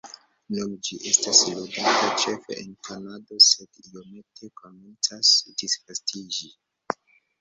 Nun ĝi estas ludata ĉefe en Kanado, sed iomete komencas disvastiĝi.